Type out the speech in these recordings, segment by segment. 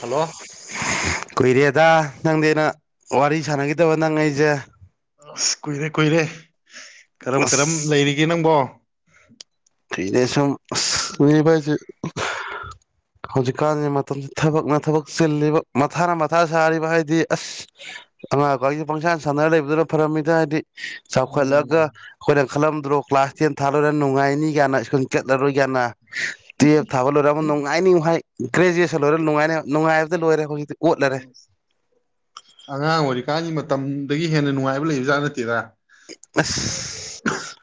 Hello ꯀꯨꯏꯔꯦꯗ ꯅꯪꯗꯦꯅ ꯋꯥꯔꯤ ꯁꯥꯟꯅꯈꯤꯗꯕ ꯅꯪ ꯑꯩꯁꯦ ꯑꯁ ꯀꯨꯏꯔꯦ ꯀꯨꯏꯔꯦ ꯀꯔꯝ ꯀꯔꯝ ꯑꯁ ꯂꯩꯔꯤꯒꯦ ꯅꯪꯕꯣ [inaudible] ꯑꯩꯗꯁꯝ ꯃꯤꯅꯤꯕꯥꯏꯦ ꯍꯧꯖꯤꯛꯀꯥꯟꯒꯤ ꯃꯇꯝꯁꯤ ꯊꯕꯛꯅ ꯊꯕꯛ ꯆꯤꯜꯂꯤꯕ ꯃꯊꯥꯅ ꯃꯊꯥ ꯁꯥꯔꯤꯕ ꯍꯥꯏꯗꯤ ꯑꯁ ꯑꯉꯥꯡꯀꯔꯤꯒꯤ ꯄꯪꯁꯥꯟ ꯁꯥꯟꯅꯔ ꯂꯩꯕꯗꯨꯅ ꯐꯔꯝꯃꯤꯗ ꯍꯥꯏꯗꯤ ꯆꯥꯎꯈꯠꯂꯒ ꯎꯝ ꯑꯩꯈꯣꯏꯅ ꯈꯜꯂꯝꯗ꯭ꯔꯣ ꯀ꯭ꯂꯥꯁ ꯇꯦꯟ ꯊꯥꯂꯣꯏꯔ ꯅꯨꯡꯉꯥꯏ ꯌꯥ ꯁꯨꯝ ꯆꯠꯂꯔꯣꯏ ꯀꯅ ꯇꯦꯞ ꯊꯥꯕ ꯂꯣꯏꯔ ꯑꯃ ꯅꯨꯡꯉꯥꯏꯅꯤꯡ ꯍꯥꯏꯥꯏ ꯒ꯭ꯔꯦꯖꯨꯑꯁꯟꯣꯏꯔꯦ ꯅꯨꯡꯉꯥꯏꯅ ꯅꯨꯡꯥꯏꯕ ꯂꯣꯏꯔꯦ ꯍꯧꯖꯤꯛ ꯑꯉꯥꯡ ꯑꯣꯏꯔꯤ ꯀꯥ ꯃꯇꯝꯗꯒꯤ ꯍꯦꯟꯅ ꯅꯨꯡꯉꯥꯏꯕ ꯂꯩꯕꯖꯥꯠ ꯅꯠꯇꯦꯗ ꯑꯁ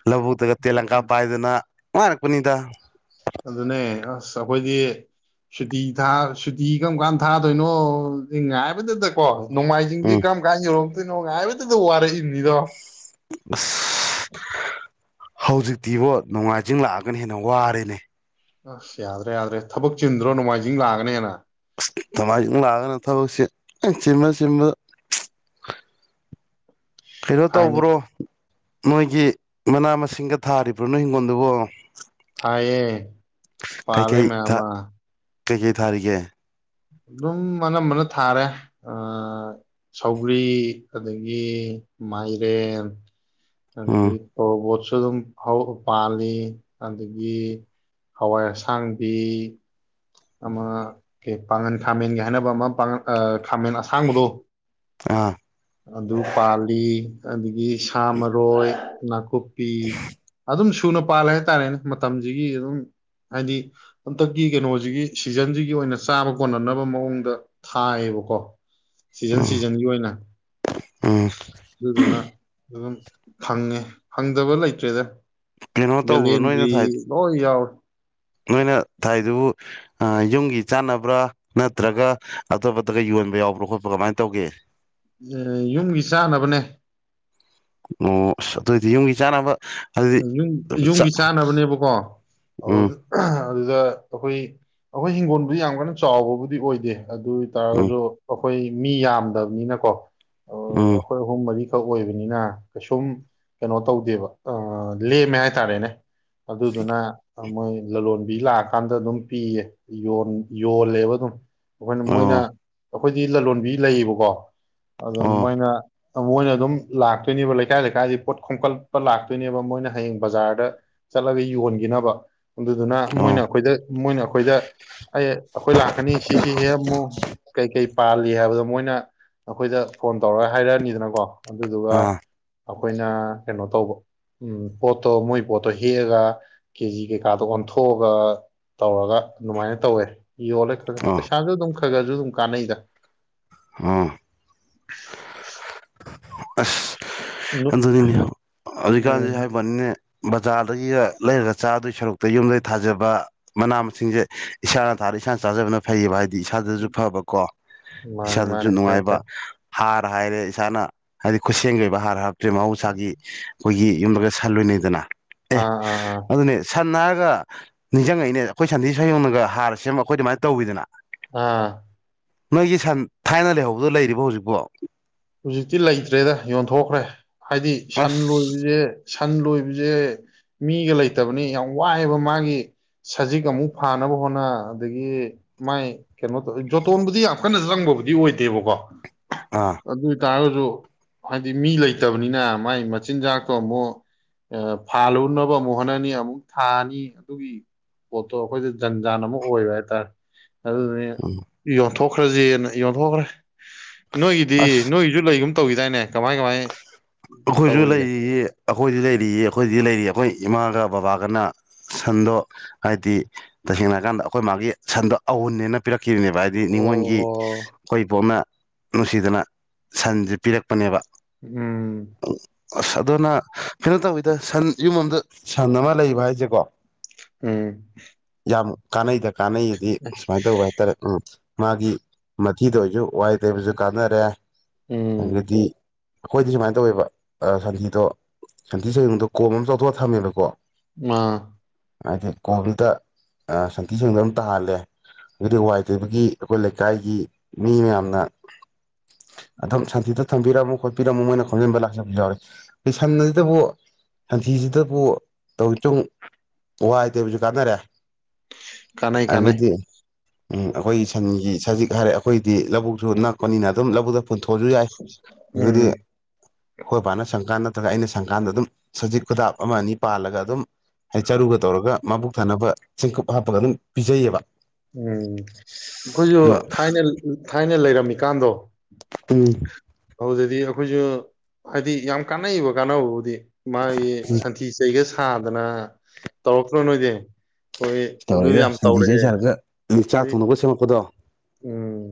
ꯂꯧꯕꯨꯛꯇꯒ ꯇꯦꯂꯪꯀꯥ ꯄꯥꯏꯗꯨꯅ ꯋꯥ ꯄꯨꯅꯤꯗ ꯑꯗꯨꯅꯦ ꯑꯁ ꯑꯩꯈꯣꯏꯗꯤ ꯁꯨꯇꯤ ꯁꯨꯇꯤ ꯀꯔꯝ ꯀꯥꯟꯗ ꯊꯥꯗꯣꯏꯅꯣ ꯉꯥꯏꯕꯗꯗꯀꯣ ꯎꯝ ꯅꯣꯡꯃꯥꯏꯖꯤꯡꯁꯤ ꯀꯔꯝ ꯀꯥꯟꯒꯤꯔꯣ ꯑꯗꯨ ꯅꯅꯨꯡ ꯉꯥꯏꯕꯗꯗ ꯋꯥꯔꯛꯏꯅꯤꯗꯣ [unintelligible] ꯍꯧꯖꯤꯛꯇꯤꯕꯣ ꯅꯨꯡꯉꯥꯏꯖꯤꯡ ꯂꯥꯛꯑꯒꯅ ꯍꯦꯟꯅ ꯋꯥꯔꯦꯅꯦ ꯑꯁ ꯌꯥꯗ꯭ꯔꯦ ꯌꯥꯗ꯭ꯔꯦ ꯊꯕꯛ ꯆꯤꯟꯗ꯭ꯔꯣ ꯅꯣꯡꯃꯥꯏꯖꯤꯡ ꯂꯥꯛꯑꯒꯅꯦꯅ ꯊꯃꯥꯏ ꯂꯥꯛꯒꯅꯦ ꯊꯕꯛꯁꯦ ꯁꯤꯃ ꯆꯕ ꯀꯩꯅꯣ ꯊꯥꯏꯅꯤ ꯇꯧꯕ꯭ꯔꯣ ꯅꯣꯏꯒꯤ ꯃꯅꯥ ꯃꯁꯤꯡꯒ ꯊꯥꯔꯤꯕ꯭ꯔꯣ ꯅꯣꯏ ꯍꯤꯡꯒꯣꯜꯗꯨꯕꯣ ꯊꯌꯦꯌꯦ ꯄꯂꯦ ꯀꯩꯀꯩ ꯊꯥ ꯃꯃꯥ ꯀꯩꯀꯩ ꯊꯥꯔꯤꯒꯦ ꯑꯗꯨꯝ ꯑꯅꯝꯕꯅ ꯊꯥꯔꯦ ꯁꯧꯒ꯭ꯔꯤ ꯑꯗꯒꯤ ꯃꯥꯏꯔꯦꯟ ꯑ ꯃꯤ ꯎꯝ ꯇ ꯁꯨ ꯑꯗꯨꯝ ꯄꯥꯜꯂꯤ ꯑꯗꯒꯤ ꯍꯋꯥꯏ ꯑꯁꯥꯡꯕꯤ ꯑꯃ ꯄꯥꯡꯉꯟ ꯈꯥꯃꯦꯟꯒꯤ ꯍꯥꯏꯅꯕ ꯑꯃ ꯄꯥꯡꯜ ꯈꯥꯃꯦꯟ ꯑꯁꯥꯡꯕꯗꯣ ꯑꯥ ꯑꯗꯨ ꯄꯥꯜꯂꯤ ꯑꯗꯨꯗꯒꯤ ꯃꯔꯣꯏ ꯅꯥꯈꯨꯞ ꯑꯗꯨꯝ ꯊꯨꯅ ꯄꯥꯜꯂꯦ ꯍꯥꯏꯇꯥꯔꯦꯅꯦ ꯃꯇꯝꯁꯤꯒꯤ ꯑꯗꯨꯝ ꯍꯥꯏꯗꯤ ꯍꯟꯇꯛꯀꯤ ꯀꯩꯅꯣꯁꯤꯒꯤ ꯁꯤꯖꯟꯁꯤꯒꯤ ꯑꯣꯏꯅ ꯆꯥꯕ ꯀꯣꯟꯅꯅꯕ ꯃꯑꯣꯡꯗ ꯊꯥꯏꯌꯦꯕꯀꯣ ꯁꯤꯖꯟ ꯎꯝ ꯁꯤꯖꯟꯒꯤ ꯑꯣꯏꯅ ꯎꯝ ꯑꯗꯨ ꯑꯗꯨꯅ ꯑꯗꯨꯝ ꯈꯪꯉꯦ ꯈꯪꯗꯕ ꯂꯩꯇ꯭ꯔꯦꯗ ꯀꯩꯅꯣ ꯇꯧꯕ꯭ꯔꯣ ꯅꯣꯏꯅ ꯕꯂꯗ꯭ꯔꯤ ꯊꯥꯏ ꯅ ꯌꯥꯎ ꯅꯣꯏꯅ ꯊꯥꯏꯗꯨꯕꯨ ꯌꯨꯝꯒꯤ ꯆꯥꯟꯅꯕ꯭ꯔꯥ ꯅꯠꯇ꯭ꯔꯒ ꯑꯇꯣꯞꯄꯇꯒ ꯌꯣꯟꯕ ꯌꯥꯎꯕ꯭ꯔꯥ ꯈꯣꯠꯄ ꯀꯃꯥꯏꯅ ꯇꯧꯒꯦ ꯌꯨꯝꯒꯤ ꯆꯥꯅꯕꯅꯦ ꯎ ꯑꯗꯨꯑꯣ ꯑꯣꯏꯗꯤ ꯌꯨꯝꯒꯤ ꯆꯥꯅꯕ ꯌꯨꯝ ꯑꯗꯨꯗꯤ ꯆꯥ ꯌꯨꯝꯒꯤ ꯆꯥꯅꯕꯅꯦꯕꯀꯣ ꯑꯗꯨ ꯎꯝ ꯑꯗꯨꯗ ꯑꯩꯈꯣꯏ ꯑꯩꯈꯣꯏ ꯍꯤꯡꯒꯣꯜꯕꯨꯗꯤ ꯌꯥꯝ ꯀꯟꯅ ꯆꯥꯎꯕꯕꯨꯗꯤ ꯑꯣꯏꯗꯦ ꯑꯗꯨ ꯑꯣꯏ ꯎꯝ ꯇꯔꯒꯁꯨ ꯑꯩꯈꯣꯏ ꯃꯤ ꯌꯥꯝꯗꯕꯅꯤꯅꯀꯣ ꯑꯣ ꯎꯝ ꯑꯩꯈꯣꯏ ꯑꯍꯨꯝ ꯃꯔꯤꯛ ꯈꯛ ꯑꯣꯏꯕꯅꯤꯅ ꯀꯩꯁꯨꯝ ꯀꯩꯅꯣ ꯇꯧꯗꯦꯕ ꯂꯦꯝꯃꯦ ꯍꯥꯏꯇꯥꯔꯦꯅꯦ ꯑꯗꯨꯗꯨꯅ ꯃꯣꯏ ꯂꯂꯣꯟꯕꯤ ꯂꯥꯛꯑꯀꯥꯟꯗ ꯑꯗꯨꯝ ꯄꯤꯌꯦ ꯌꯣꯜꯂꯦꯕ ꯑꯗꯨꯝ ꯑꯩꯈꯣꯏꯅ ꯃꯣꯏꯅ ꯑꯣ ꯑꯩꯈꯣꯏꯗꯤ ꯂꯂꯣꯟꯕꯤ ꯂꯩꯌꯦꯕꯀꯣ ꯑꯗꯨꯝ ꯑꯣ ꯃꯣꯏꯅ ꯃꯣꯏꯅ ꯑꯗꯨꯝ ꯂꯥꯛꯇꯣꯏꯅꯦꯕ ꯂꯩꯀꯥꯏ ꯂꯩꯀꯥꯏꯗꯤ ꯄꯣꯠ ꯈꯣꯝꯀꯠꯄ ꯂꯥꯛ ꯑꯗꯨꯣꯏꯅꯦꯕ ꯃꯣꯏꯅ ꯍꯌꯦꯡ ꯕꯖꯥꯔꯗ ꯆꯠꯂꯒ ꯌꯣꯟꯈꯤꯅꯕ ꯑꯗꯨꯗꯨꯅ ꯑꯣ ꯃꯣꯏꯅ ꯑꯩꯈꯣꯏꯗ ꯃꯣꯏꯅ ꯑꯩꯈꯣꯏꯗ ꯑꯩ ꯑꯩꯈꯣꯏ ꯂꯥꯛꯀꯅꯤ ꯁꯤꯁꯤ ꯍꯦ ꯑꯃꯨꯛ ꯀꯩꯀꯩ ꯄꯥꯜꯂꯤ ꯍꯥꯏꯕꯗꯣ ꯃꯣꯏꯅ ꯅꯈꯣꯏꯗ ꯐꯣꯟ ꯇꯧꯔꯒ ꯍꯥꯏꯔꯛꯑꯅꯤꯗꯅꯀꯣ ꯑꯗꯨꯗꯨꯒ ꯑꯥ ꯑꯩꯈꯣꯏꯅ ꯀꯩꯅꯣ ꯇꯧꯕ ꯎꯝ ꯄꯣꯠꯇꯣ ꯃꯣꯏ ꯄꯣꯠꯇꯣ ꯍꯦꯛꯑꯒ ꯀꯦꯖꯤ ꯀꯩꯀꯥꯗꯣ ꯑꯣꯟꯊꯣꯛꯑꯒ ꯇꯧꯔꯒ ꯑꯗꯨꯃꯥꯏꯅ ꯇꯧꯋꯦ ꯌꯂ ꯁꯖ ꯑꯣ ꯈꯔ ꯈꯔꯁꯨ ꯑꯗꯨꯝ ꯀꯥꯟꯅꯩꯗ ꯍꯥꯥ ꯑꯗꯨꯗꯤꯅꯦ ꯍꯧꯖꯤꯛꯀꯥꯟꯗꯤ ꯎꯝ ꯍꯥꯏꯕꯅꯤꯅꯦ ꯕꯖꯥꯔꯗꯒꯤꯒ ꯂꯩꯔꯒ ꯆꯥꯗꯒꯤ ꯁꯔꯨꯛꯇ ꯌꯨꯝꯗꯩ ꯊꯥꯖꯕ ꯃꯅꯥ ꯃꯁꯤꯡꯁꯦ ꯏꯁꯥꯅ ꯊꯥꯔ ꯏꯁꯥꯅ ꯆꯥꯖꯕꯅ ꯐꯩꯌꯦꯕ ꯍꯥꯏꯗꯤ ꯏꯁꯥꯗꯁꯨ ꯐꯕꯀꯣ ꯃꯥꯅꯤ ꯏꯁꯥꯗꯁꯨ ꯃꯥꯅꯤ ꯐꯩ ꯅꯨꯡꯉꯥꯏꯕ ꯐꯩ ꯍꯥꯔ ꯍꯥꯏꯔꯦ ꯏꯁꯥꯅ ꯍꯥꯏꯗꯤ ꯈꯨꯠꯁꯦꯝꯒꯤ ꯑꯣꯏꯕ ꯍꯥꯔ ꯍꯥ ꯄ꯭ꯔꯦ ꯃꯍꯥꯎꯁꯥꯒꯤ ꯑꯩꯈꯣꯏꯒꯤ ꯌꯨꯝꯗꯒ ꯁꯜꯂꯣꯏꯅꯦꯩꯗꯅ ꯑꯦ ꯑꯥ ꯑꯥ ꯑꯥ ꯑꯗꯨꯅꯦ ꯁꯅ ꯅꯤꯡꯁꯤꯡꯉꯛꯏꯅꯦ ꯑꯩꯈꯣꯏ ꯁꯟꯊꯤ ꯁꯌꯣꯅꯒ ꯍꯥꯔ ꯁꯦꯝꯕ ꯑꯩꯈꯣꯏ ꯑꯗꯨꯃꯥꯏꯅ ꯇꯧꯋꯤꯗꯅ ꯑꯥ ꯅꯣꯏꯒꯤꯁꯟ ꯊꯥꯏꯅ ꯂꯩꯍꯧꯕꯗꯣ ꯂꯩꯔꯤꯕꯣ ꯍꯧꯖꯤꯛꯄꯣ ꯍꯧꯖꯤꯛꯇꯤ ꯂꯩꯇ꯭ꯔꯦꯗ ꯌꯣꯟꯊꯣꯛꯈ꯭ꯔꯦ ꯍꯥꯏꯗꯤ ꯁꯟ ꯑꯁ ꯂꯣꯏꯕꯁꯦ ꯁꯟ ꯂꯣꯏꯕꯁꯦ ꯃꯤꯒ ꯂꯩꯇꯕꯅꯤ ꯌꯥꯝ ꯋꯥꯏ ꯑꯕ ꯃꯥꯒꯤ ꯁꯖꯤꯛ ꯑꯃꯨꯛ ꯐꯥꯟꯅꯕ ꯍꯣꯠꯅ ꯑꯗꯒꯤ ꯃꯥꯏ ꯀꯩꯅꯣꯇꯧ ꯖꯣꯇꯣꯟ ꯕꯨꯗꯤ ꯌꯥꯝ ꯀꯟꯅ ꯁꯨ ꯆꯪꯕꯕꯨꯗꯤ ꯑꯣꯏꯗꯦꯕꯀꯣ ꯑꯥ ꯑꯗꯨ ꯑꯣꯏ ꯇꯔꯒꯁꯨ ꯍꯥꯏꯗꯤ ꯃꯤ ꯂꯩꯇꯕꯅꯤꯅ ꯃꯥꯏ ꯃꯆꯤꯟꯖꯥꯛꯇꯣ ꯑꯃꯨꯛ ꯐꯥꯜꯂꯨꯅꯕ ꯑꯃꯨꯛ ꯍꯣꯠꯅꯅꯤ ꯑꯃꯨꯛ ꯊꯥꯅꯤ ꯑꯗꯨꯒꯤ ꯄꯣꯠꯇꯣ ꯑꯩꯈꯣꯏꯗ ꯖꯟ ꯖꯥꯟ ꯑꯃ ꯑꯣꯏꯕ ꯍꯥꯏꯇꯥꯔꯦ ꯑꯗꯨ ꯗꯨꯗꯨꯅ ꯎꯝ ꯌꯣꯟ ꯊꯣꯛꯈ꯭ꯔꯁꯦꯅ ꯌꯣꯟꯊꯣꯛꯈ꯭ꯔꯦ ꯗꯤ ꯑꯁ ꯅꯣꯏꯁꯨ ꯂꯩꯒꯨꯝ ꯇꯧꯈꯤ ꯗꯥꯏꯅꯦ ꯀꯃꯥꯏ ꯀꯃꯥꯏ ꯑꯩꯈꯣꯏꯁꯨ ꯇꯧꯔꯤꯒꯦ ꯂꯩꯔꯤꯌꯦ ꯑꯩꯈꯣꯏꯁꯨ ꯂꯩꯔꯤꯌꯦ ꯑꯩꯈꯣꯏꯗꯤ ꯂꯩꯔꯤꯌꯦ ꯑꯩꯈꯣꯏ ꯏꯃꯥꯒ ꯕꯕꯥꯒꯅ ꯁꯟꯗꯣ ꯍꯥꯏꯗꯤ ꯇꯁꯦꯡꯅ ꯍꯥꯏꯀꯥꯟꯗ ꯑꯩꯈꯣꯏ ꯃꯥꯒꯤ ꯁꯟꯗꯣ ꯑꯎꯟꯅꯦꯅ ꯄꯤꯔꯛ ꯈꯤꯕꯅꯦꯕꯥ ꯍꯥꯏꯗꯤ ꯅꯤꯡꯉꯣꯟꯒꯤ ꯑꯣ ꯑꯩꯈꯣꯏ ꯏꯕꯣꯛꯅꯥ ꯅꯨꯡꯁꯤꯗꯅ ꯁꯟꯁꯦ ꯄꯤꯔꯛꯄꯅꯦꯕ ꯎꯝ ꯎ ꯑꯁ ꯑꯗꯨꯅ ꯀꯩꯅꯣ ꯇꯧꯏꯗ ꯁꯟ ꯌꯨꯝ ꯑꯃꯗ ꯁꯟ ꯑꯃ ꯂꯩꯕ ꯍꯥꯏꯁꯦꯀꯣ ꯎꯝ ꯀ ꯀꯅꯩꯗ ꯀꯥꯟꯅꯩꯑꯗꯤ ꯁꯨꯃꯥꯏꯅ ꯇꯧꯕ ꯍꯥꯏꯇꯥꯔꯦ ꯎ ꯃꯥꯒꯤ ꯃꯊꯤꯗ ꯑꯣꯏꯁꯨ ꯋꯥꯏ ꯇꯕꯁꯨ ꯀꯥꯟꯅꯔꯦ ꯎꯝ ꯑꯗꯥꯒꯤ ꯑꯩꯈꯣꯏꯗꯤ ꯁꯨꯥꯏ ꯇꯧꯏꯕꯥ ꯁꯟꯊꯤꯗꯣ ꯁꯟꯊꯤ ꯁꯌꯨꯡꯗꯣ ꯀꯣꯝ ꯑꯃ ꯆꯥꯎꯊꯣꯛꯑꯒ ꯊꯝꯃꯦꯕꯀꯣ ꯑ ꯍꯥꯏꯗꯤ ꯀꯣꯕꯤꯗ ꯁꯟꯊꯤ ꯁꯦꯡꯗ ꯑꯗꯨꯝ ꯇꯥꯍꯜꯂꯦ ꯑꯗꯨꯗꯤ ꯋꯥꯏ ꯇꯣꯏꯕꯒꯤ ꯑꯩꯈꯣꯏ ꯂꯩꯀꯥꯏꯒꯤ ꯃꯤ ꯃꯌꯥꯝꯅ ꯑꯗꯨꯝ ꯁꯟꯊꯤꯗ ꯊꯝꯕꯤꯔꯝꯃꯣ ꯈꯣꯠꯄꯤꯔꯝꯃꯣ ꯃꯣꯏꯅ ꯈꯣꯝꯖꯤꯟꯕ ꯂꯥꯛꯆꯕ ꯌꯥꯎꯔ ꯁꯟ ꯑꯁꯤꯗꯕꯨ ꯁꯟꯊꯤꯁꯤꯗꯕꯨ ꯇꯧꯛꯇꯨꯡ ꯋꯥꯏꯇꯦꯕꯁꯨ ꯀꯥꯟꯅꯔꯦ ꯀꯅꯥꯏ ꯀꯅꯥꯏ ꯑꯗꯒꯤꯗꯤ ꯎꯝ ꯑꯩꯈꯣꯏꯒꯤ ꯁꯟꯒꯤ ꯁꯖꯤꯛ ꯍꯥꯏꯔꯦ ꯑꯩꯈꯣꯏꯗꯤ ꯂꯧꯕꯨꯛꯁꯨ ꯅꯛꯄꯅꯤꯅ ꯑꯗꯨꯝ ꯂꯧꯕꯨꯛꯇ ꯄꯨꯟꯊꯣꯛꯑꯁꯨ ꯌꯥꯏ ꯑꯗꯒꯤ ꯎꯝ ꯍꯣꯏ ꯕꯥꯅ ꯁꯪꯀꯥꯟꯗ ꯅꯠꯇ꯭ꯔꯒ ꯑꯩꯅ ꯁꯪꯀꯥꯟꯗ ꯑꯗꯨꯝ ꯁꯖꯤꯛ ꯈꯨꯗꯥꯞ ꯑꯃ ꯑꯅꯤ ꯄꯥꯜꯂꯒ ꯑꯗꯨꯝ ꯍꯥꯏꯗꯤ ꯆꯔꯨꯒ ꯇꯧꯔꯒ ꯃꯕꯨꯛ ꯊꯥꯅꯕ ꯆꯦꯡꯀꯨꯞ ꯍꯥꯞꯄꯒ ꯑꯗꯨꯝ ꯄꯤꯖꯩꯌꯦꯕ ꯎꯝ ꯑꯩꯈꯣꯏꯁꯨ ꯑꯗꯨꯒ ꯊꯥꯏꯅ ꯊꯥꯏꯅ ꯂꯩꯔꯝꯃꯤ [unintelligible] ꯀꯥꯟꯗꯣ ꯎꯝ ꯑꯗꯨꯗꯗꯤ ꯑꯩꯈꯣꯏꯁꯨ ꯍꯥꯏꯗꯤ ꯌꯥꯝ ꯀꯥꯟꯅꯩꯕ ꯀꯥꯟꯅꯕꯕꯨꯗꯤ ꯃꯥꯒꯤ ꯁꯟꯊꯤ ꯆꯩꯒ ꯁ ꯊꯥꯗꯅ ꯇꯧꯔꯛꯇ꯭ꯔꯣ ꯅꯣꯏꯗꯤ꯫ ꯍꯣꯏ ꯑꯗꯨ ꯇꯧꯔꯛꯏꯗ ꯌꯥꯝ ꯁꯟꯗꯤ ꯆꯍꯤ ꯇꯧꯔꯛꯑꯦ ꯁꯥꯔꯒ ꯆꯥꯛ ꯑꯗꯩ ꯊꯣꯡꯅꯕ ꯁꯦꯝꯃꯛꯄꯗꯣ ꯎꯝ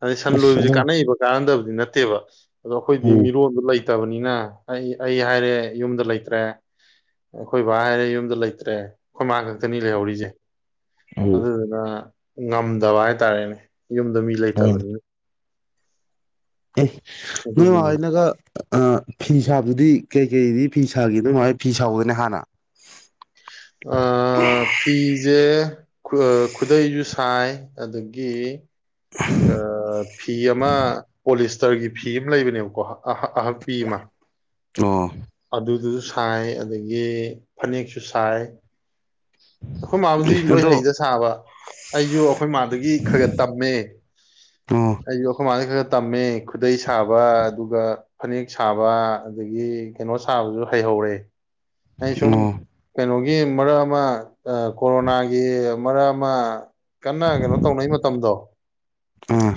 ꯑꯗꯩ ꯁꯟ ꯑꯁ ꯂꯣꯏꯕꯕꯁꯤ ꯑꯗꯣ ꯀꯥꯟꯅꯩꯕ ꯀꯥꯟꯅꯟꯗꯕꯗꯤ ꯅꯠꯇꯦꯕ ꯑꯗꯣ ꯑꯩꯈꯣꯏꯗꯤ ꯎꯝ ꯃꯤꯔꯣꯟꯜꯗꯣ ꯂꯩꯇ ꯂꯩꯇꯕꯅꯤꯅ ꯑꯩ ꯑꯩ ꯍꯥꯏꯔꯦ ꯌꯨꯝꯗ ꯂꯩꯇ꯭ꯔꯦ ꯑꯩꯈꯣꯏ ꯕꯥ ꯍꯥꯏꯔꯦ ꯌꯨꯝꯗ ꯂꯩꯇ꯭ꯔꯦ ꯑꯩꯈꯣꯏ ꯃꯥ ꯈꯛꯇꯅꯤ ꯂꯩꯍꯧꯔꯤꯁꯦ ꯎꯝ ꯑꯗꯨꯗ ꯑꯗꯨ ꯉꯝꯗꯕ ꯍꯥꯏꯇꯥꯔꯦꯅꯦ ꯌꯨꯝꯗ ꯃꯤ ꯍꯣꯏꯅꯦ ꯂꯩꯇꯕꯅꯤꯅ ꯑꯦ ꯃꯣꯏ ꯑꯗꯨꯒꯤꯅꯤꯗ ꯍꯅꯀ ꯑ ꯐꯤ ꯁꯥꯕꯗꯤ ꯀꯩ ꯀꯩꯗꯤ ꯐꯤ ꯁꯥꯈꯤ ꯑꯗꯨꯃꯥꯏ ꯐꯤ ꯁꯥꯥꯎꯕꯗꯅꯦ ꯍꯥꯟꯅ ꯑ ꯐꯤꯖꯦ ꯈꯨꯗꯩꯁꯨ ꯁꯥꯏ ꯑꯗꯒꯤ ꯐꯤ ꯑꯃ ꯄꯣꯂꯤꯁ ꯇꯔꯒꯤ ꯐꯤ ꯑꯃ ꯂꯩꯕꯅꯦꯕꯀꯣ ꯑꯍꯛꯄꯤ ꯑꯃ ꯑꯣ ꯑꯗꯨ ꯑꯗꯨ ꯑꯗꯨ ꯁꯥꯏ ꯑꯗꯒꯤ ꯐꯅꯦꯛꯁꯨ ꯁꯥꯏ ꯑꯩꯈꯣꯏ ꯃꯥꯕꯨꯗꯤ ꯂꯣꯏ ꯑꯗꯣ ꯍꯩꯗ ꯁꯥꯕ ꯑꯩꯁꯨ ꯑꯩꯈꯣꯏ ꯃꯥꯗꯨꯒꯤ ꯈꯔ ꯈꯔ ꯇꯝꯃꯦ ꯑꯣ ꯑꯩꯁꯨ ꯑꯩꯈꯣꯏ ꯃꯥꯗꯨ ꯈꯔ ꯈ ꯇꯝꯃꯦ ꯈꯨꯗꯩ ꯁꯥꯕ ꯑꯗꯨꯒ ꯐꯅꯦꯛ ꯁꯥꯕ ꯑꯗꯒꯤ ꯀꯩꯅꯣ ꯁꯥꯕꯁꯨ ꯍꯩꯍꯧꯔꯦ ꯑꯩ ꯁꯨꯝ ꯑꯣ ꯀꯩꯅꯂ ꯒꯤ ꯃꯔꯛ ꯑꯃ ꯀꯣꯔꯣꯅꯥꯒꯤ ꯃꯔꯛ ꯑꯃ ꯀꯟꯅ ꯀꯩꯅꯣ ꯇꯧꯅꯩ ꯃꯇꯝꯗꯣ ꯑꯥ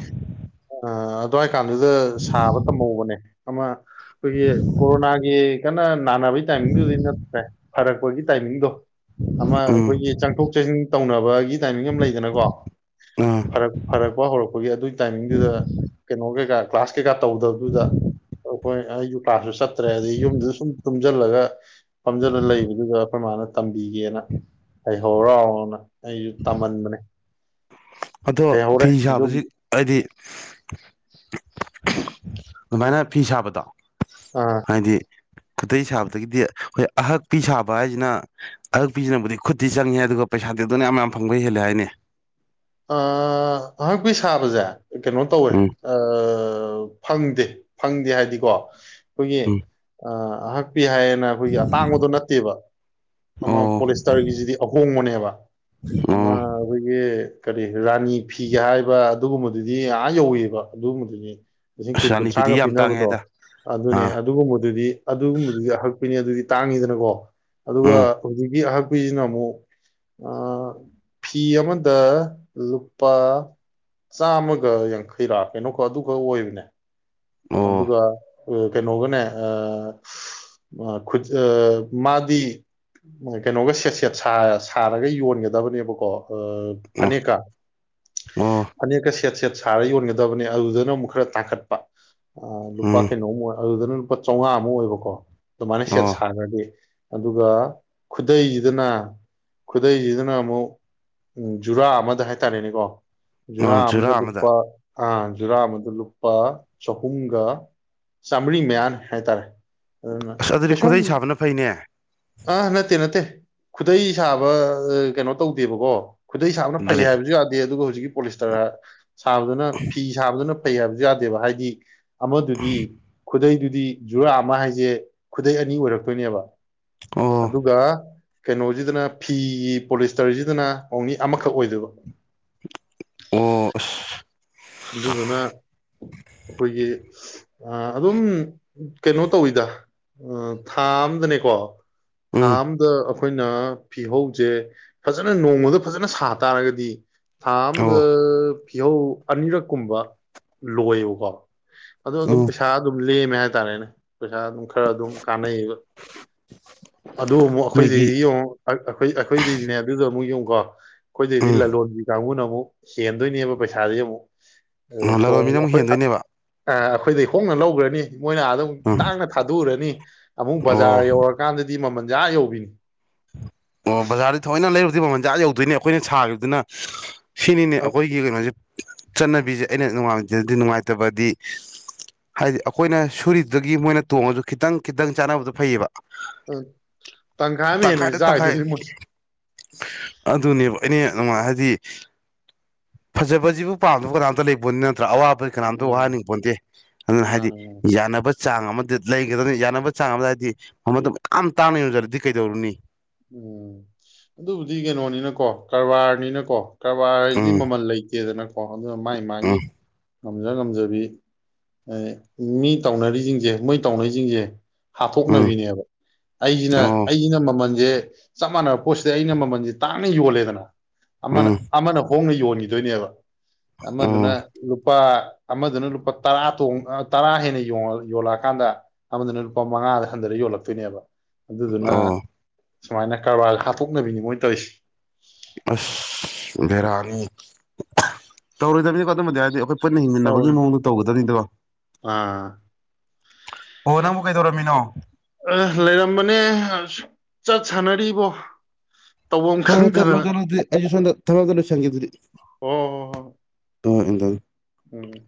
ꯑꯗꯨꯋꯥꯏ ꯀꯥꯟꯗꯨꯗ ꯁꯥꯕ ꯇꯝꯍꯧꯕꯅꯦ ꯑꯃ ꯑꯩꯈꯣꯏꯒꯤ ꯀꯣꯔꯣꯅꯥꯒꯤ ꯀꯟꯅ ꯅꯥꯕꯒꯤ ꯇꯥꯏꯃꯤꯡꯗꯨꯗꯤ ꯅꯠꯇ꯭ꯔꯦ ꯐꯔꯛꯄꯒꯤ ꯇꯥꯏꯃꯤꯡꯒꯣ ꯑꯃꯃ ꯑꯦ ꯎꯝ ꯆꯪꯊꯣꯛ ꯆꯪꯁꯤꯟ ꯇꯧꯅꯕꯒꯤ ꯇꯥꯏꯃꯤꯡ ꯑꯃ ꯂꯩꯗꯅꯀꯣ ꯑꯥ ꯐꯔꯛ ꯐꯔꯛꯄ ꯍꯧꯔꯛꯄꯒꯤ ꯑꯗꯨꯒꯤ ꯇꯥꯏꯃꯤꯡꯗꯨꯗ ꯀꯩꯅꯣ ꯦꯒ ꯀ꯭ꯂꯥꯁꯀꯤ ꯀꯞ ꯇꯧꯗꯕꯗꯨꯗ ꯍꯈꯣꯏ ꯑꯩ ꯌꯨꯀꯥꯁꯨ ꯆꯠꯇ꯭ꯔꯦ ꯑꯩ ꯌꯨꯝꯗꯨꯗꯁꯨ ꯁꯨꯝ ꯇꯨꯝꯁꯤꯜꯂꯒ ꯐꯝꯖꯜꯂ ꯂꯩꯕꯗꯨꯒ ꯑꯩꯈꯣꯏ ꯃꯥꯅ ꯇꯝꯕꯤꯒꯦꯅ ꯑꯩ ꯍꯧꯧꯔꯥꯎꯔꯥꯎꯅ ꯑꯩꯁꯨ ꯇꯝꯍꯟꯕꯅꯦ ꯑꯗꯣ ꯍꯩꯍꯧꯔꯦ ꯐꯤ ꯑꯗꯨꯝ ꯁꯥꯕꯁꯤ ꯍꯥꯏꯗꯤ ꯑꯗꯨꯃꯥꯏꯅ ꯐꯤ ꯁꯥꯕꯗꯣ ꯑꯥ ꯍꯥꯏꯗꯤ ꯈꯨꯠꯇ ꯁꯥꯕꯗꯒꯤꯗꯤ ꯑꯩꯈꯣꯏ ꯑꯍꯛꯄꯤ ꯁꯥꯕ ꯍꯥꯏꯁꯤꯅ ꯑꯍꯛꯄꯤꯁꯤꯅꯕꯨꯗꯤ ꯈꯨꯠꯇꯤ ꯆꯪꯉꯦ ꯑꯗꯨꯒ ꯄꯩꯁꯥ ꯇꯦꯡꯛꯇꯅ ꯌꯥꯝ ꯌꯥꯝ ꯐꯪꯕꯩ ꯍꯦꯜꯂꯦ ꯍꯥꯏꯅꯤ ꯑ ꯑꯩꯍꯣꯏꯕꯨ ꯁꯥꯥꯕꯖꯥ ꯀꯩꯅꯣ ꯇꯧꯋꯦ ꯎꯝ ꯐꯪꯗꯦ ꯐꯪꯗꯦ ꯍꯥꯏꯗꯤꯀꯣ ꯑꯩꯈꯣꯏꯒꯤ ꯎꯝ ꯑꯍ ꯄꯄꯤ ꯍꯥꯏꯌꯦꯅ ꯑꯩꯈꯣꯏꯒꯤ ꯑꯇꯥꯡꯕꯗꯣ ꯅꯠꯇꯦꯕ ꯑꯃ ꯑꯣ ꯄꯣꯂꯤꯁꯇꯔꯒꯤꯁꯤꯗꯤ ꯑꯍꯣꯡꯕꯅꯦꯕ ꯑꯃ ꯑꯣ ꯑꯩꯈꯣꯏꯒꯤ ꯀꯔꯤ ꯔꯥꯅꯤ ꯐꯤꯒꯦ ꯍꯥꯏꯕ ꯑꯗꯨꯒꯨꯝꯕꯗꯨꯗꯤ ꯉ ꯌꯧꯋꯕ ꯑꯗꯨꯒꯨꯝꯕꯗꯨꯅꯤ ꯂꯤꯁꯤꯡ ꯑꯁ ꯀꯨꯟ ꯔꯥꯅꯤ ꯀꯨꯟꯊ꯭ꯔꯥꯒ ꯐꯤꯗꯤ ꯌꯥꯝ ꯇꯥꯡꯉꯦ ꯄꯤꯅꯕꯗꯣ ꯍꯥꯏꯗ ꯑꯗꯨꯅꯦ ꯑꯥ ꯑꯗꯨꯒꯨꯝꯕꯗꯨꯗꯤ ꯑꯗꯨꯒꯨꯝꯕꯗꯨꯗꯤ ꯑꯩꯈꯣꯏꯅꯦ ꯑꯗꯨꯗꯤ ꯇꯥꯡꯉꯤꯗꯅꯀꯣ ꯑꯗꯨꯒ ꯎꯝ ꯍꯧꯖꯤꯛꯀꯤ ꯑꯍ ꯑꯩꯈꯏꯁꯤꯅ ꯑꯃꯨꯛ ꯐꯤ ꯑꯃꯗ ꯂꯨꯄꯥ ꯆꯥꯝꯃꯒ ꯌꯥꯡꯈꯩꯔꯥ ꯀꯩꯅꯣꯀꯣ ꯑꯗꯨꯒꯈꯛ ꯑꯣꯏꯕꯅꯦ ꯑꯣ ꯑꯗꯨꯒꯗꯨ ꯀꯩꯅꯣꯒꯅꯦ ꯃꯥꯗꯤ ꯀꯩꯅꯣꯒ ꯁꯦꯠ ꯁꯦꯠ ꯁꯥꯔꯒ ꯌꯣꯟꯒꯗꯕꯅꯦꯕꯀꯣ ꯑ ꯑꯣ ꯐꯅꯦꯀꯥ ꯑꯣ ꯐꯅꯦꯦꯛꯀ ꯁꯦꯠ ꯁꯦꯠ ꯁꯥꯔ ꯌꯣꯟꯒꯗꯕꯅꯤ ꯑꯗꯨꯗꯨꯅ ꯑꯃꯨꯛ ꯈꯔ ꯇꯥꯡꯈꯠꯄ ꯑ ꯂꯨꯄꯥ ꯎꯝ ꯀ ꯅꯣꯡꯃꯨ ꯑꯗꯨꯗꯅ ꯂꯨꯄꯥ ꯆꯥꯝꯃꯉꯥ ꯑꯃꯨꯛ ꯑꯣꯏꯕꯀꯣ ꯃꯅꯤꯁꯦ ꯑꯣ ꯁꯥꯟꯗꯤ ꯑꯗꯨꯒ ꯈꯨꯗꯩꯁꯤꯗꯅ ꯈꯨꯗꯩꯁꯤꯗꯅ ꯑꯃꯨꯛ ꯖꯨꯔꯥ ꯑꯃꯗ ꯍꯥꯏꯇꯥꯔꯦꯅꯦꯀꯣ ꯑꯣ ꯅꯥ ꯑꯗ ꯖꯨꯔꯥ ꯑꯃꯗ ꯇꯨꯞꯄꯥ ꯑ ꯖꯨꯔꯥ ꯃꯗꯨ ꯂꯨꯄꯥ ꯆꯍꯨꯝꯒ ꯆꯥꯃꯔꯤ ꯃꯌꯥꯅꯤ ꯍꯥꯏꯇꯥꯔꯦ ꯑꯗꯨꯅ ꯑꯁ ꯑꯗꯨꯗꯤ ꯀꯩꯁꯨꯝ ꯈꯨꯗꯩ ꯁꯥꯕꯅ ꯐꯩꯅꯦ ꯑꯥ ꯅꯠꯇꯦ ꯅꯠꯇꯦ ꯈꯨꯗꯩ ꯁꯥꯕ ꯀꯩꯅꯣ ꯇꯧꯗꯦꯕꯀꯣ ꯈꯨꯗꯩ ꯁꯥꯅ ꯐꯩ ꯒꯥꯔꯤ ꯍꯥꯏꯕꯁꯨ ꯌꯥꯗꯦ ꯑꯗꯨꯒꯖꯤ ꯍꯧꯛꯀꯤ ꯄꯣꯂꯤꯁꯇꯔꯥ ꯁꯥꯕꯗꯨꯅ ꯐꯤ ꯁꯥꯕꯗꯨꯅ ꯐꯩ ꯍꯥꯏꯕꯁꯨ ꯌꯥꯗꯦꯕ ꯍꯥꯏꯗꯤ ꯑꯃꯗꯨꯗꯤ ꯈꯨꯗꯩꯗꯨ ꯑꯗꯨꯗꯤ ꯖꯨꯔꯥ ꯑꯃ ꯍꯥꯏꯁꯦ ꯈꯨꯗꯩ ꯑꯅꯤ ꯑꯣꯏꯔꯛꯇꯣꯏꯅꯦꯕ ꯑꯣ ꯑꯗꯨꯒ ꯀꯩꯅꯣꯁꯤꯗꯅ ꯐꯤꯒꯤ ꯄꯣꯂꯤꯁꯇꯔꯁꯤꯗꯅ ꯑꯣꯧꯅꯤ ꯑꯃꯈꯛ ꯑꯣꯏꯗꯕ ꯑꯣ ꯑꯗꯨꯗꯨꯅ ꯑꯩꯈꯣꯏꯒꯤ ꯑꯗꯨꯝ ꯀꯩꯅꯣ ꯇꯧꯋꯤꯗ ꯊꯥ ꯑꯝꯗꯅꯦꯀꯣ ꯎꯝ ꯊꯝꯗ ꯑꯩꯈꯣꯏꯅ ꯐꯤꯍꯧꯁꯦ ꯐꯖꯅ ꯅꯣꯡꯃꯗ ꯐꯖꯅ ꯁꯥ ꯇꯥꯔꯒꯗꯤ ꯊꯗ ꯑꯣ ꯄꯤꯧ ꯑꯅꯤꯔꯛꯀꯨꯝꯕ ꯂꯣꯏꯕꯀꯣ ꯑꯗꯣ ꯑꯗꯨꯝ ꯎꯝ ꯄꯩꯁꯥ ꯑꯗꯨ ꯎꯝꯂ ꯃ ꯇꯅꯦꯅ ꯄꯩꯁꯥ ꯑꯗꯨꯝ ꯈꯔ ꯑꯗꯨꯝ ꯀꯥꯟꯅꯩꯌꯦꯕ ꯑꯗꯨ ꯑꯃꯨꯛ ꯑꯩꯈꯣꯏꯗꯩꯗꯤ ꯅꯣꯏꯒꯤ ꯌꯦꯡꯉꯨ ꯑꯩꯈꯣꯏꯗꯩꯗꯤꯅꯦ ꯑꯗꯨꯗ ꯑꯃꯨꯛ ꯌꯦꯡꯉ ꯀꯣ ꯑꯩꯈꯣꯏꯗꯗꯤ ꯎꯝ ꯂꯂꯣꯟꯕꯤ ꯀꯥꯡꯕꯨꯅ ꯑꯃꯨꯛ ꯆꯦꯟꯗꯣꯏꯅꯦꯕ ꯄꯩꯁꯥꯥꯁꯦ ꯑꯃꯨꯛ ꯅ ꯂꯔꯣꯏꯃꯤꯅ ꯇꯣꯡꯉ ꯑꯃꯨꯛ ꯑꯩꯈꯣꯏ ꯍꯦꯟꯗꯣꯏꯅꯦꯕ ꯑꯩꯈꯣꯏꯗꯩ ꯍꯣꯡꯅ ꯂꯧꯈ꯭ꯔꯅꯤ ꯃꯣꯏꯅ ꯑꯗꯨꯝ ꯎꯝ ꯇꯥꯡꯅ ꯊꯥꯗꯣꯛꯎꯔꯅꯤ ꯑꯃꯨꯛ ꯕꯖꯥꯔ ꯑꯣ ꯌꯧꯔꯀꯥꯟꯗꯗꯤ ꯃꯃꯜ ꯌꯥꯍ ꯌꯧꯕꯤꯅꯤ ꯑꯣ ꯖꯥ ꯊ ꯍꯅ ꯂꯩꯔ ꯑꯗꯨ ꯃꯃꯟꯖꯥꯛ ꯌꯧꯗꯣꯏꯅꯦ ꯑꯩꯈꯣꯏꯅ ꯁꯥꯈꯤꯕꯗꯨꯅ ꯁꯤꯅꯤꯅꯦ ꯑ, ꯑꯩꯈꯣꯏꯒꯤ ꯀꯩꯅꯣꯁꯦ ꯆꯠꯅꯕꯤꯁꯦ ꯑꯩꯅ ꯅꯨꯡꯉꯖꯗꯤ ꯅꯨꯡꯉꯥꯏꯇꯕꯗꯤ ꯍꯥꯏꯗꯤ ꯑꯩꯈꯣꯏꯅ ꯁꯨꯔꯤꯗꯨꯗꯒꯤ ꯃꯣꯏꯅ ꯇꯣꯡꯉꯁꯨ ꯈꯤꯇꯪ ꯈꯤꯇꯪ ꯆꯥꯟꯅꯕꯗꯣ ꯐꯩꯌꯦꯕ ꯎꯝ ꯇꯪꯈꯥꯏꯗ ꯇꯪꯈꯥꯏ ꯑꯗꯨꯅꯦꯕ ꯑꯩꯅ ꯅꯨꯡꯉꯥꯏ ꯍꯥꯏꯗꯤ ꯐꯖꯕꯁꯤꯕꯨ ꯄꯥꯝꯗꯕ ꯀꯅꯥꯝꯇ ꯂꯩꯄꯣꯠ ꯅꯥꯠ ꯅꯠꯇ꯭ꯔ ꯑꯋꯥꯕꯗꯤ ꯀꯅꯥꯝꯇ ꯎꯝ ꯋꯥꯍꯟꯅꯤꯡꯕ ꯄꯣꯟꯇꯦ ꯑꯗꯨꯅ ꯍꯥꯏꯗꯤ ꯃꯥꯅꯦ ꯃꯥꯅꯦ ꯌꯥꯟꯅꯕ ꯆꯥꯡ ꯑꯃꯗꯤ ꯂꯩꯒꯗꯕꯅꯤ ꯌꯥꯟꯅꯕ ꯆꯥꯡ ꯑꯃꯗ ꯍꯥꯏꯗꯤ ꯃꯃꯟꯗꯨ ꯌꯥꯝ ꯇꯥꯡꯅ ꯌꯣꯟꯖꯔꯗꯤ ꯀꯩ ꯗꯧꯔꯨꯅꯤ ꯎꯝ ꯑꯗꯨꯕꯨꯗꯤ ꯀꯩꯅꯣꯅꯤꯅꯀꯣ ꯀꯔꯕꯥꯔꯅꯤꯅꯀꯣ ꯀꯔꯕꯥꯔ ꯍꯥꯏꯁꯤꯗꯤ ꯎꯝ ꯃꯃꯜ ꯂꯩꯇꯦꯗꯅꯀꯣ ꯑꯗꯨꯅ ꯃꯥꯢꯒꯤ ꯃꯥꯢꯒꯤ ꯎꯝ ꯉꯝꯖ ꯉꯝꯖꯕꯤ ꯃꯤ ꯇꯧꯅꯔꯤꯁꯤꯡꯁꯦ ꯃꯣꯏ ꯇꯧꯅꯩꯁꯤꯡꯁꯦ ꯎꯝ ꯍꯥꯠꯇꯣꯛꯅꯕꯤꯅꯦꯕ ꯑꯩꯁꯤꯅ ꯑꯣ ꯑꯩꯁꯤꯅ ꯃꯃꯜ ꯌꯦ ꯆꯞ ꯃꯥꯟꯅꯕ ꯄꯣꯠꯁꯤꯗ ꯑꯩꯅ ꯃꯃꯜꯁꯦ ꯇꯥꯡꯅ ꯌꯣꯜꯂꯦꯗꯅ ꯑꯃꯅ ꯎꯝ ꯑꯃꯅ ꯍꯣꯡꯅ ꯌꯣꯜꯂꯤ ꯄꯤꯗꯣꯏꯅꯦꯕ ꯎꯝ ꯑꯃꯗꯨꯅ ꯂꯨꯄꯥ ꯑꯃꯗꯨꯅ ꯂꯨꯄꯥ ꯇꯔꯥ ꯇꯔꯥ ꯍꯦꯟꯅ ꯌꯣꯜꯂꯛꯑꯀꯥꯟꯗ ꯑꯃꯗꯨꯅ ꯂꯨꯄꯥ ꯃꯉꯥꯗ ꯍꯟꯊꯔ ꯌꯣꯜꯂꯛꯇꯣꯏꯅꯦꯕ ꯑꯣ ꯑꯗꯨꯗꯨꯅ ꯁꯨꯃꯥꯏꯅ ꯀꯔꯕꯥꯔ ꯍꯥꯠꯇꯣꯛꯅꯅꯕꯅꯤ ꯃꯣꯏꯅ ꯇꯧꯔꯤꯁꯦ ꯑꯁ ꯕꯦꯔꯥꯅꯤ ꯇꯧꯔꯣꯏꯗꯕꯅꯤꯀꯣ ꯑꯗꯨꯝꯕꯗꯤ ꯍꯥꯏꯔꯗꯤ ꯑꯩꯈꯣꯏ ꯄꯨꯟꯅ ꯍꯤꯡꯃꯤꯟꯅꯕꯒꯤ ꯇꯧꯔꯦ ꯃꯑꯣꯡꯗ ꯇꯧꯒꯗꯕꯅꯤꯗꯕ ꯑꯥ ꯑꯣ ꯅꯪꯕꯨ ꯀꯩꯗꯧꯔꯝꯃꯤꯅꯣ ꯑ ꯂꯩꯔꯝꯕꯅꯦ ꯆꯠ ꯁꯥꯟꯅꯔꯤꯕꯣ ꯇꯧꯐꯝ ꯍꯣ ꯍꯣ ꯆꯠꯂꯣ ꯈꯪꯗꯗꯅ ꯆꯠꯂꯣ ꯑꯩꯁꯨꯗ ꯊꯥꯕꯛ ꯑꯃꯥꯇ ꯂꯣꯢꯁꯟꯒꯦ ꯍꯣ ꯍꯣ ꯍꯣ ꯁꯣꯝꯗ [inaudible] ꯎꯝ